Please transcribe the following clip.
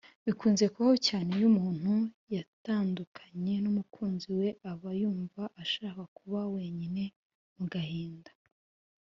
Bikunze kubaho cyane iyo umuntu yatandukanye n’umukunzi we aba yumva ashaka kuba wenyine mu gahinda